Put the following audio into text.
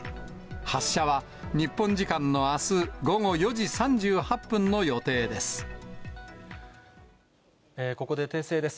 発射は日本時間のあす午後４時３８分の予定です。